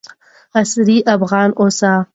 عصري افغان اوسئ.